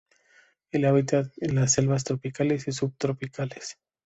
El hábitat es las selvas tropicales y sub-tropicales.